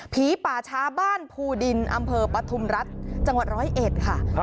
ผีป่าชาบ้านภูดินอำเภอปะทุมรัฐจังหวะนะคะ